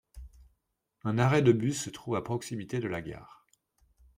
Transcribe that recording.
Un arrêt de bus se trouve à proximité de la gare.